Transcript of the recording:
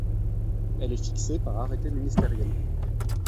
Elle est fixée par arrêté ministériel.